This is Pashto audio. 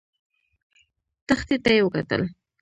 دښتې ته يې وکتل.